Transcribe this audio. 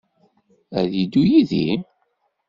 Ad yeddu yid-i?